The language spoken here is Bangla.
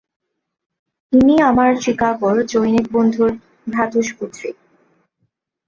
ইনি আমার চিকাগোর জনৈক বন্ধুর ভ্রাতুষ্পুত্রী।